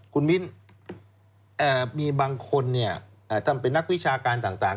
คุณมิ้นมีบางคนท่านเป็นนักวิชาการต่าง